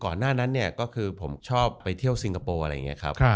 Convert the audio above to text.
หน้านั้นเนี่ยก็คือผมชอบไปเที่ยวซิงคโปร์อะไรอย่างนี้ครับ